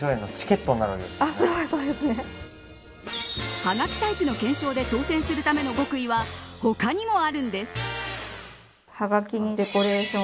はがきタイプの懸賞で当選するための極意は他にもあるんです。